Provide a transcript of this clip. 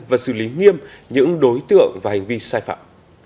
và xử lý nghiêm những đối tượng và hành vi sai phạm